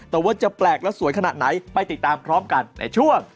แต่ว่าจะแปลกและสวยขนาดไหนไปติดตามพร้อมกันในช่วง